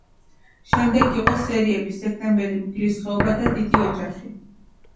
შემდეგ იყო სერიალები: „სექტემბერი“, „მგლების ხეობა“ და „დიდი ოჯახი“.